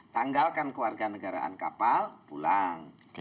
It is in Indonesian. tanggalkan kewarganegaraan kapal pulang